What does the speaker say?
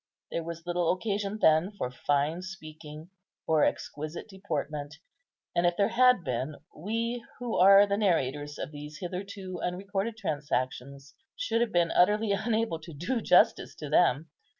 There was little occasion then for fine speaking or exquisite deportment; and if there had been, we, who are the narrators of these hitherto unrecorded transactions, should have been utterly unable to do justice to them.